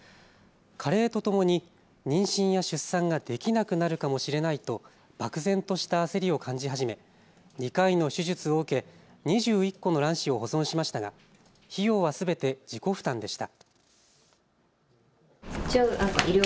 加齢とともに妊娠や出産ができなくなるかもしれないと漠然とした焦りを感じ始め２回の手術を受け、２１個の卵子を保存しましたが費用はすべて自己負担でした。